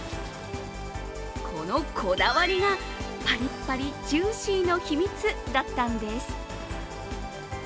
このこだわりが、パリッパリジューシーの秘密だったんです。